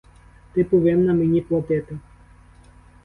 Ти повинна мені платити.